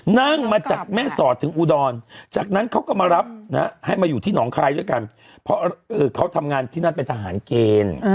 นั่งมาจากแม่สอดถึงอุดรจากนั้นเขาก็มารับนะให้มาอยู่ที่หนองคายด้วยกันเพราะเขาทำงานที่นั่นเป็นทหารเกณฑ์